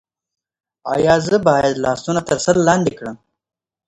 ایا زه باید لاسونه تر سر لاندې کړم؟